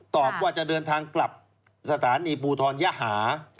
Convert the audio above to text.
ตอบว่าจะเดินทางกลับสถานีภูทรยหา